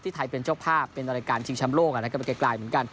ที่ไทยเป็นเจ้าภาพเป็นรายการชิงชำโลกและก็เป็นเกลียดกลายเหมือนกัน